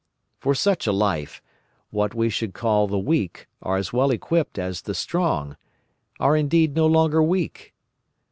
For such a life, what we should call the weak are as well equipped as the strong, are indeed no longer weak.